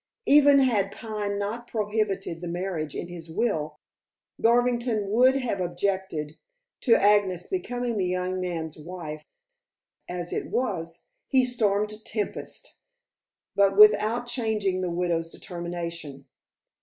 Even had Pine not prohibited the marriage in his will, Garvington would have objected to Agnes becoming the young man's wife; as it was, he stormed tempests, but without changing the widow's determination.